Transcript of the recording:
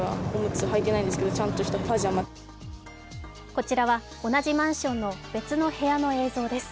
こちらは同じマンションの別の部屋の映像です。